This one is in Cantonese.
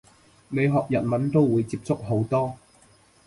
你學日文都會接觸好多